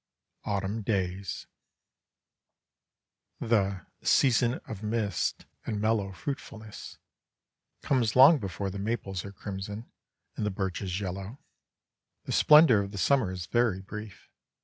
AUTUMN DAYS The "season of mists and mellow fruitfulness" comes long before the maples are crimson and the birches yellow. The splendor of the summer is very brief.